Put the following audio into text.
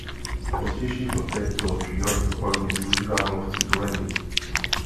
V pozdějších letech byl fjord hojně využíván lovci tuleňů.